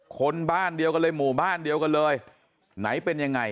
คนบ้านเดียวกันเลยหมู่บ้านเดียวกันเลยไหนเป็นยังไง